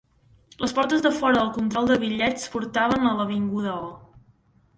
Les portes de fora del control de bitllets portaven a l'avinguda O.